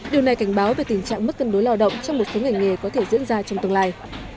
điều này cảnh báo về tình trạng mất cân đối lao động trong một số ngành nghề có thể diễn ra trong tương lai